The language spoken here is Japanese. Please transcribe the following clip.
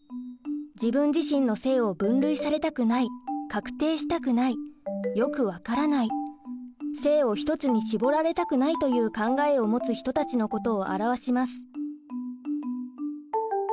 自分自身の性を分類されたくない確定したくないよく分からない性を一つに絞られたくないという考えを持つ人たちのことを表します。